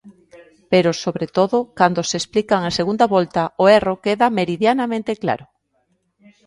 Pero, sobre todo, cando se explican en segunda volta, o erro queda meridianamente claro.